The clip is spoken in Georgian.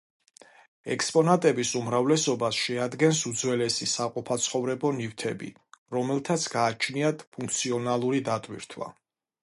ექსპონატების უმრავლესობას შეადგენს უძველესი საყოფაცხოვრებო ნივთები, რომელთაც გააჩნიათ ფუნქციონალური დატვირთვა.